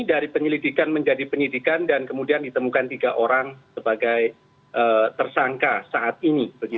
dari penyelidikan menjadi penyidikan dan kemudian ditemukan tiga orang sebagai tersangka saat ini